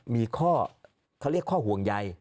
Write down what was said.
มีข้อเขาเรียกข้อห่วงใย